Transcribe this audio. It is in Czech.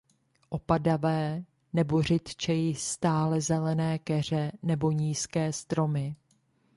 Opadavé nebo řidčeji stálezelené keře nebo nízké stromy.